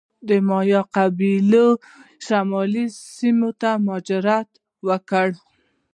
مایا قبیلې شمالي سیمو ته مهاجرت وکړ.